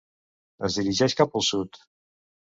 Es dirigeix cap al sud.